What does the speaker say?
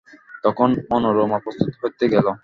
তখন মনোরমা প্রস্তুত হইতে গেল।